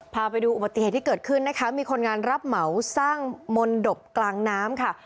พาไปดูอุบัติเหตุที่เกิดขึ้นนะคะมีคนงานรับเหมาสร้างมนตบกลางน้ำค่ะ